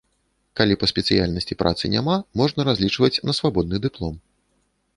Калі па спецыяльнасці працы няма, можна разлічваць на свабодны дыплом.